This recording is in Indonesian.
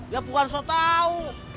ya bukan sok tau